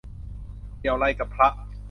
เกี่ยวไรกับพระ